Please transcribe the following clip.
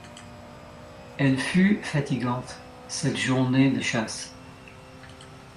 Elle fut fatigante, cette journée de chasse